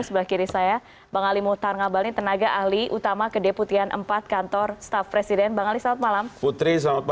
bang ali sebenarnya apa maksud pernyataan